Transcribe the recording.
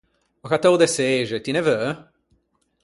Ò cattou de çexe, ti ne veu?